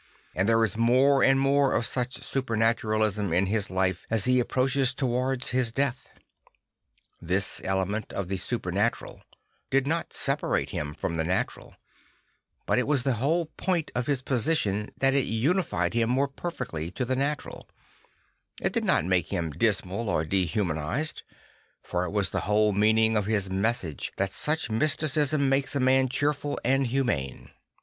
And there is more and more of such supernaturalism in his life as he a pproaches towards his death. This element of the supernatural did not separate him from the natural; for it was the whole point of his position that it united him more perfectly to the natural, It did not make him dismal or dehumanised; for it was the whole meaning of IDS message that such mysticism makes a man cheerful and humane.